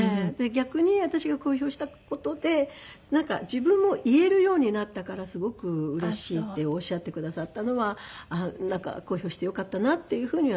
逆に私が公表した事で自分も言えるようになったからすごくうれしいっておっしゃってくださったのは公表してよかったなっていうふうには思いましたね。